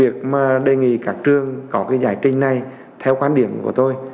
việc mà đề nghị các trường có cái giải trình này theo quan điểm của tôi